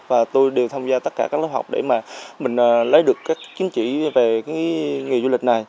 và tôi đều tham gia tất cả các lớp học để mà mình lấy được các chứng chỉ về cái nghề du lịch này